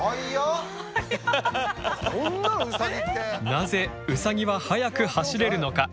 なぜウサギは速く走れるのか？